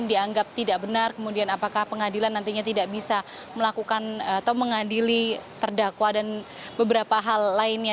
dianggap tidak benar kemudian apakah pengadilan nantinya tidak bisa melakukan atau mengadili terdakwa dan beberapa hal lainnya